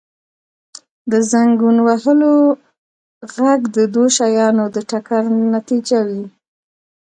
• د زنګون وهلو ږغ د دوو شیانو د ټکر نتیجه وي.